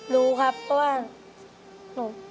รู้ครับเพราะว่าหนู